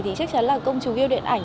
thì chắc chắn là công chủ ghiêu điện ảnh